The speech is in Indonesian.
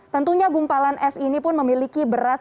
tentunya gumpalan es ini pun memiliki berat